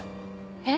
えっ？